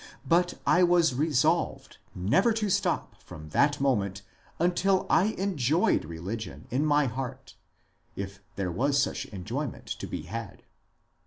But I was resolved never to stop from that moment until I enjoyed religion in my heart, if there was such enjoyment to be had.